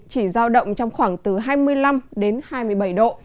chỉ giao động trong khoảng từ hai mươi năm đến hai mươi bảy độ